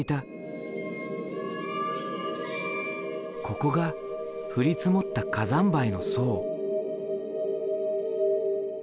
ここが降り積もった火山灰の層。